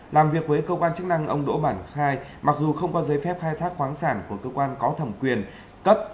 làm việc với cơ quan chức năng ông đỗ mảng khai mặc dù không có giấy phép khai thác khoáng sản của cơ quan có thẩm quyền cấp